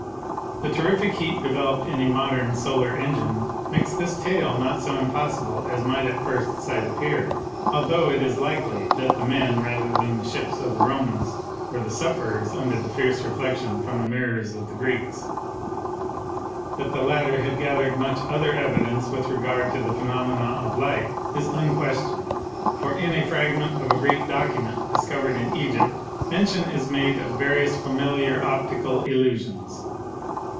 The terrific heat developed in a modern solar engine makes this tale not so impos sible as might at first sight appear, altho it is likely that THE SOURCES OF LIGHT 65 the men, rather than the ships of the Romans, were the sufferers under the fierce reflection from the mirrors of the Greeks. That the latter had gathered much other evidence with regard to the phenomena of light is unquestioned, for in a fragment of a Greek document discovered in Egypt mention is made of various familiar optical illusions.